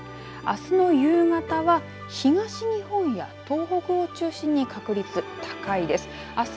あすの夕方は東日本や東北を中心に確率、高いです。